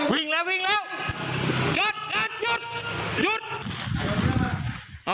วิ่งแล้ววิ่งเลยเยอะ